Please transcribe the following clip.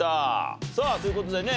さあという事でね